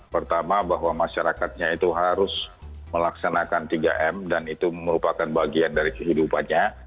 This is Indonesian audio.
pertama bahwa masyarakatnya itu harus melaksanakan tiga m dan itu merupakan bagian dari kehidupannya